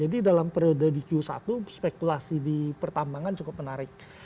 dalam periode di q satu spekulasi di pertambangan cukup menarik